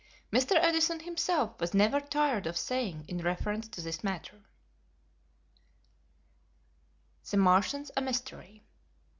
Mr. Edison himself was never tired of saying in reference to this matter: The Martians a Mystery.